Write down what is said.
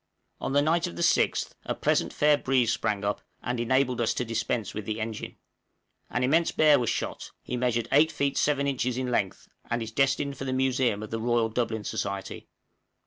_ On the night of the 6th a pleasant, fair breeze sprang up, and enabled us to dispense with the engine. An immense bear was shot; he measured 8 feet 7 inches in length, and is destined for the museum of the Royal Dublin Society.